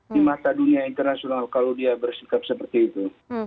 di mata dunia internasional kalau dia bersikap seperti itu